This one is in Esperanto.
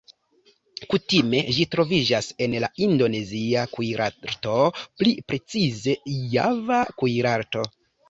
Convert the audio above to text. Kutime ĝi troviĝas en la Indonezia kuirarto, pli precize Java kuirarto.